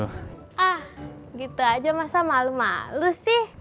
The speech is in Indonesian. ah gitu aja masa malu malu sih